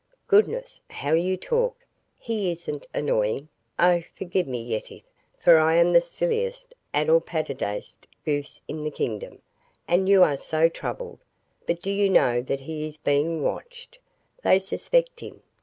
"Goodness, how you talk! He isn't annoying. Oh, forgive me, Yetive, for I am the silliest, addle patedest goose in the kingdom. And you are so troubled. But do you know that he is being watched? They suspect him.